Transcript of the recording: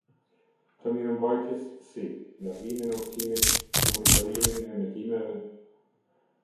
Të mirëmbajtjes, si: largimin e ushqimit, jmonitorimin e emetimeve.